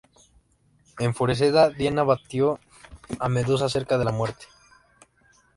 Enfurecida, Diana batió a Medusa cerca de la muerte.